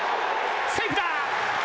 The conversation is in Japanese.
セーフだ。